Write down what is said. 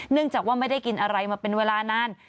จากว่าไม่ได้กินอะไรมาเป็นเวลานาน